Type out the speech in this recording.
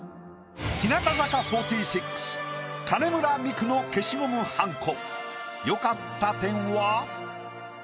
日向坂４６金村美玖の消しゴムはんこ。